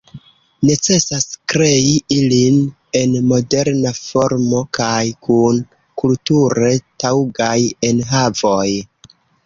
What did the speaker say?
Necesas krei ilin en moderna formo kaj kun kulture taŭgaj enhavoj.